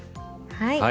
はい。